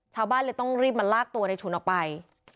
ชาวบ้านเลยต้องรีบมาลากตัวในฉุนออกไป